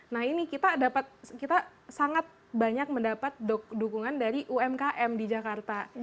nah ini kita dapat kita sangat banyak mendapat dukungan dari umkm di jakarta